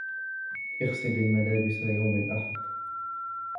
أغسل الملابس يوم الأحد